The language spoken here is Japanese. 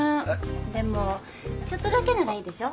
でもちょっとだけならいいでしょ？